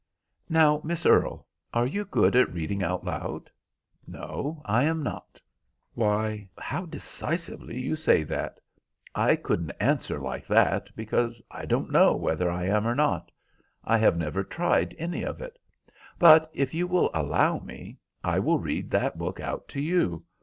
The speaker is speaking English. "Now, Miss Earle, are you good at reading out loud?" "No, I am not." "Why, how decisively you say that. I couldn't answer like that, because I don't know whether I am or not. I have never tried any of it. But if you will allow me, I will read that book out to you.